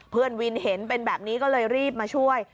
เพื่อนวินเห็นเป็นแบบนี้ก็เลยรีบมาช่วย